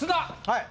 はい！